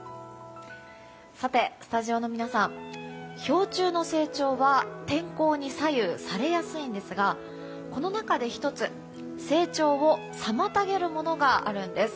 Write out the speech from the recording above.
さて、スタジオの皆さん氷柱の成長は天候に左右されやすいんですがこの中で１つ成長を妨げるものがあるんです。